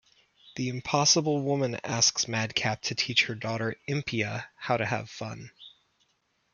The Impossible Woman asks Madcap to teach her daughter Impia how to have fun.